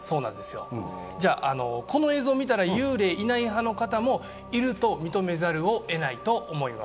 この映像を見たら幽霊いない派の方も、いると認めざるを得ないと思います。